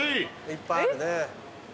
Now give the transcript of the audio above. いっぱいあるね。